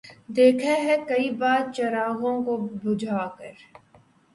دیکھا ہے کئی بار چراغوں کو بجھا کر